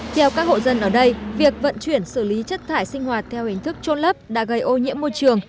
theo các hộ dân ở đây việc vận chuyển xử lý chất thải sinh hoạt theo hình thức trôn lấp đã gây ô nhiễm môi trường